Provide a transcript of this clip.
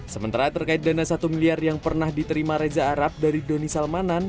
sementara terkait dana satu miliar yang pernah diterima reza arab dari doni salmanan